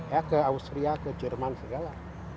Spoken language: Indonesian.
ya ke austria ke jerman segala